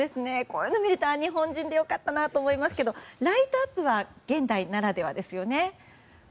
こういうのを見ると日本人で良かったなと思いますけどライトアップは現代ならではですよね。